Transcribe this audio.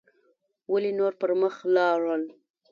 ولې نور پر مخ لاړل